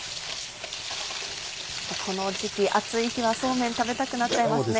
この時期暑い日はそうめん食べたくなっちゃいますね。